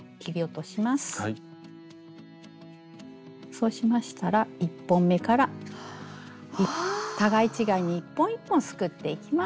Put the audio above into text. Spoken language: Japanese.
そうしましたら１本目から互い違いに一本一本すくっていきます。